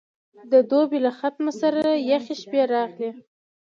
د دوبي له ختمه سره یخې شپې راغلې.